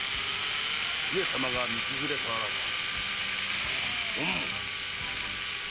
上様が道連れとあらば本望！